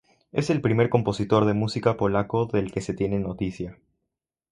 Es el primer compositor de música polaco del que se tiene noticia.